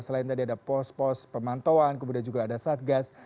selain tadi ada pos pos pemantauan kemudian juga ada satgas